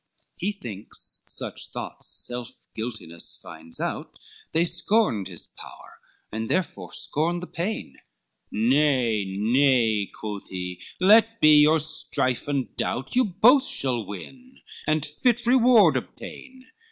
XXXII He thinks, such thoughts self guiltiness finds out, They scorned his power, and therefore scorned the pain, "Nay, nay," quoth he, "let be your strife and doubt, You both shall win, and fit reward obtain."